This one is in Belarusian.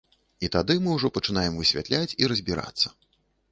І тады мы ўжо пачынаем высвятляць і разбірацца.